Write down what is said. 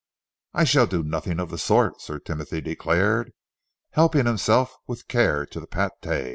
"I shall do nothing of the sort," Sir Timothy declared, helping himself with care to the pâté.